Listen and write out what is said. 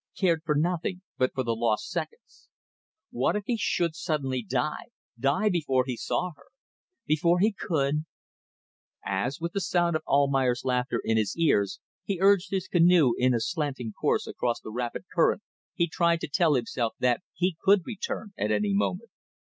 Cared for nothing but for the lost seconds. What if he should suddenly die. Die before he saw her. Before he could ... As, with the sound of Almayer's laughter in his ears, he urged his canoe in a slanting course across the rapid current, he tried to tell himself that he could return at any moment.